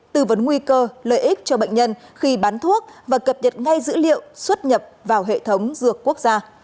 tư vấn nguy cơ lợi ích cho bệnh nhân khi bán thuốc và cập nhật ngay dữ liệu xuất nhập vào hệ thống dược quốc gia